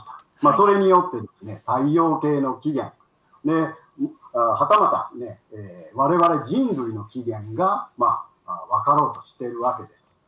それによって、太陽系の起源、はたまた、われわれ人類の起源が分かろうとしているわけです。